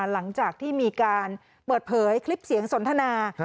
หลังจากที่มีการเปิดเผยคลิปเสียงสนทนา